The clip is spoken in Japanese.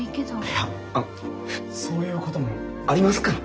いやあっそういうこともありますから。